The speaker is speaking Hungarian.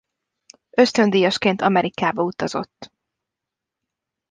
Ösztöndíjasként Amerikába utazott.